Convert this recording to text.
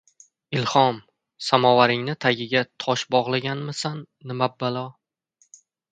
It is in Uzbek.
Ilhom, samovaringni tagiga tosh bog‘laganmisan, nima balo.